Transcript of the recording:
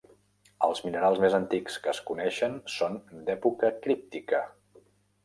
Els minerals més antics que es coneixen són d'època críptica.